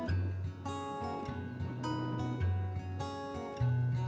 poso memilih tidak larut dalam masa lampau